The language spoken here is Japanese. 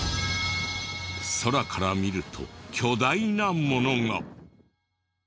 空から見ると巨大なものが。